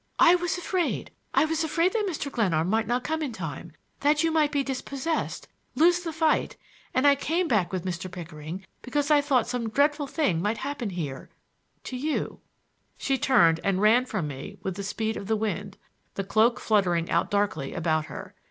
"I was afraid,—I was afraid that Mr. Glenarm might not come in time; that you might be dispossessed,—lose the fight, and I came back with Mr. Pickering because I thought some dreadful thing might happen here—to you—" She turned and ran from me with the speed of the wind, the cloak fluttering out darkly about her.